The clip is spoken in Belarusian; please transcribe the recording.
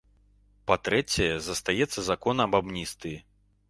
Па-трэцяе, застаецца закон аб амністыі.